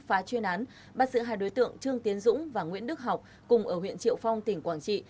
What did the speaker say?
phá chuyên án bắt giữ hai đối tượng trương tiến dũng và nguyễn đức học cùng ở huyện triệu phong tỉnh quảng trị